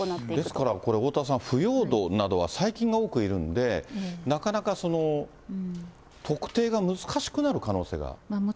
ですからこれ、おおたわさん、腐葉土などは細菌が多くいるんで、なかなか、特定が難しくなる可能性があると。